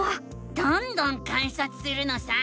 どんどん観察するのさ！